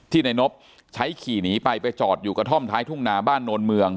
ในนบใช้ขี่หนีไปไปจอดอยู่กระท่อมท้ายทุ่งนาบ้านโนนเมือง